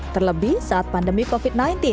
terlebih saat pandemi covid sembilan belas